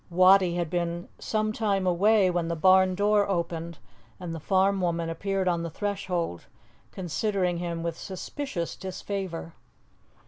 Wattie had been some time away when the barn door opened and the farm woman appeared on the threshold, considering him with suspicious disfavour.